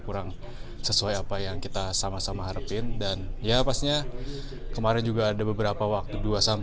kurang sesuai apa yang kita sama sama harapin dan ya pastinya kemarin juga ada beberapa waktu